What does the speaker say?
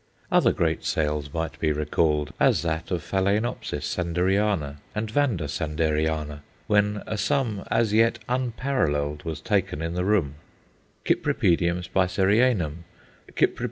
Other great sales might be recalled, as that of Phaloenopsis Sanderiana and Vanda Sanderiana, when a sum as yet unparalleled was taken in the room; Cypripedium Spicerianum, _Cyp.